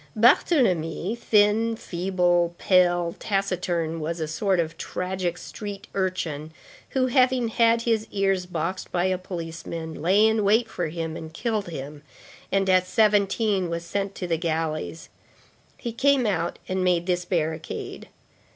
Barthélemy, thin, feeble, pale, taciturn, was a sort of tragic street urchin, who, having had his ears boxed by a policeman, lay in wait for him, and killed him, and at seventeen was sent to the galleys. He came out and made this barricade.